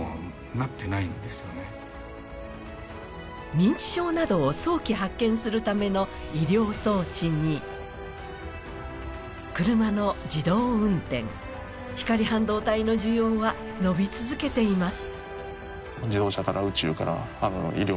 認知症などを早期発見するための医療装置に、車の自動運転、光半導体の需要は伸び続けています。